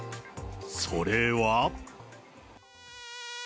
それは。